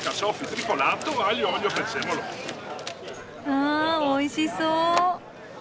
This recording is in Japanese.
ふんおいしそう。